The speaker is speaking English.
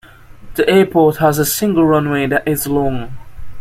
The airport has a single runway that is long.